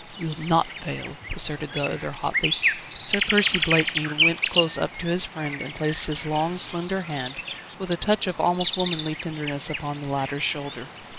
"We'll not fail," asserted the other hotly. Sir Percy Blakeney went close up to his friend and placed his long, slender hand, with a touch of almost womanly tenderness upon the latter's shoulder.